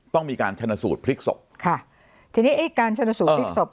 ต้องมีการชนะสูตรพลิกศพค่ะทีนี้ไอ้การชนสูตพลิกศพ